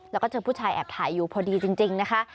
แล้วก็เจอผู้ชายแอบถ่ายอยู่พอดีจริงนะคะ